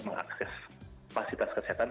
mengakses fasilitas kesehatan